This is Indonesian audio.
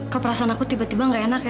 keperasan aku tiba tiba gak enak ya